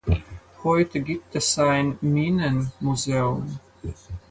Heute gibt es ein Minen-Museum.